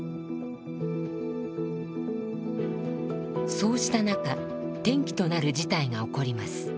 そうした中転機となる事態が起こります。